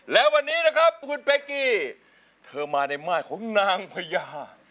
และวันนี้นะครับคุณเป๊กกี้เธอมาในม่ายของนางพญา